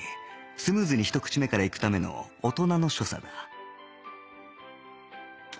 スムーズにひと口目からいくための大人の所作だ